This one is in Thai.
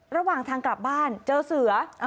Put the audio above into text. ระหว่างทางกลับบ้านเจอเสือ